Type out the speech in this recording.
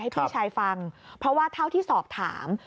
พี่ชายฟังเพราะว่าเท่าที่สอบถาม